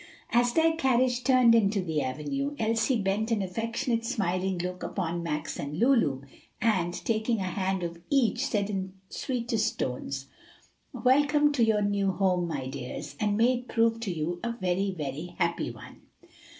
As their carriage turned into the avenue, Elsie bent an affectionate, smiling look upon Max and Lulu, and taking a hand of each, said in sweetest tones, "Welcome to your new home, my dears, and may it prove to you a very, very happy one."